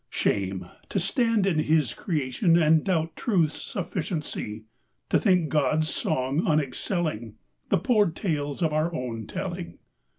Shame ! to stand in His creation And doubt Truth's sufficiency! To think God's song unexcelling The poor tales of our own telling.